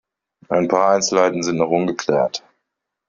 Ein paar Einzelheiten sind noch ungeklärt.